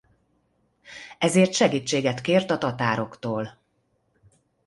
Ezért segítséget kért a tatároktól.